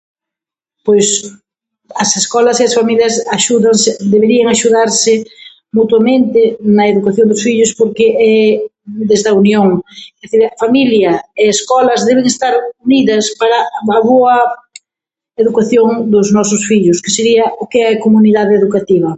Pois as escolas e as familias axúdanse, deberían axudarse mutuamente na educación dos fillos porque lles da unión, é dicir, familia e escolas deben estar unidas para a boa educación dos nosos fillos o que sería, o que é a comunidade educativa.